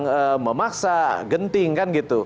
yang memaksa genting kan gitu